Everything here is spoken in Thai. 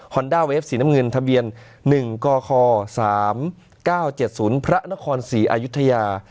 ด้าเวฟสีน้ำเงินทะเบียน๑กค๓๙๗๐พระนครศรีอายุทยา